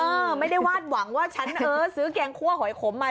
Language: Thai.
เออไม่ได้วาดหวังว่าฉันเออซื้อแกงคั่วหอยขมมา